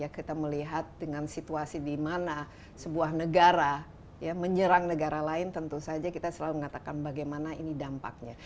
kita melihat dengan situasi di mana sebuah negara menyerang negara lain tentu saja kita selalu mengatakan bagaimana ini dampaknya